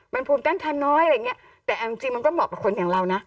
มันภูมิต้านทานน้อยอะไรอย่างเงี้ยแต่เอาจริงจริงมันก็เหมาะกับคนอย่างเรานะ